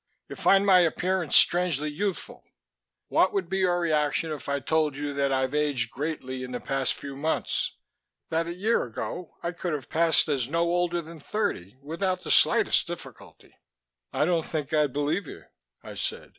"You find my appearance strangely youthful. What would be your reaction if I told you that I've aged greatly in the past few months? That a year ago I could have passed as no older than thirty without the slightest difficulty " "I don't think I'd believe you," I said.